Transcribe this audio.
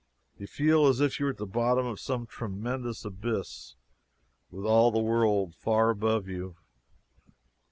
You feel as if you were at the bottom of some tremendous abyss, with all the world far above you.